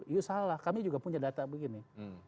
you salah kami juga punya data begini